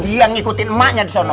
dia ngikutin emaknya di sana